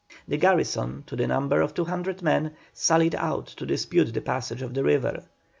The garrison, to the number of 200 men, sallied out to dispute the passage of the river.